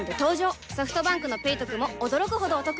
ソフトバンクの「ペイトク」も驚くほどおトク